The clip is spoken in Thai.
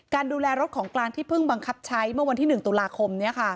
ดูแลรถของกลางที่เพิ่งบังคับใช้เมื่อวันที่๑ตุลาคม